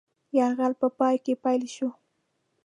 یرغل په پای کې پیل شو.